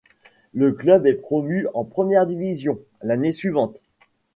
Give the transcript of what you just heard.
Le club est promu en première division, l'année suivante.